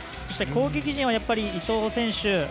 そして攻撃陣は伊東選手。